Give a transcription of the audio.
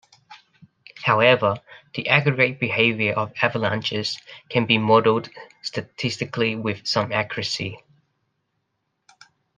However, the aggregate behavior of avalanches can be modeled statistically with some accuracy.